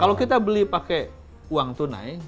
kalau kita beli pakai uang tunai